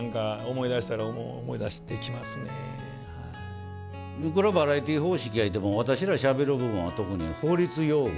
いくらバラエティー方式やゆうても私らしゃべる部分は特に法律用語がね。